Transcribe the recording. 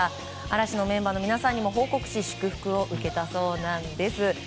嵐のメンバーの皆さんにも報告し祝福を受けたそうなんです。